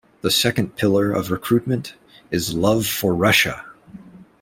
The second pillar of recruitment is love for Russia.